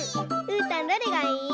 うーたんどれがいい？